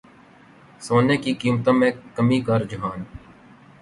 سونے کی قیمتوں میں کمی کا رجحان